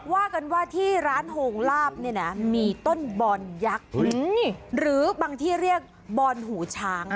ว่ากันว่าที่ร้านโฮงลาบเนี่ยนะมีต้นบอนยักษ์หรือบางที่เรียกบอนหูช้าง